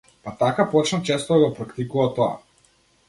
Па така почна често да го практикува тоа.